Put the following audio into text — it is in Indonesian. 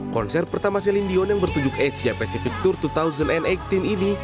konser pertama celine dion yang bertujuk asia pacific tour dua ribu delapan belas ini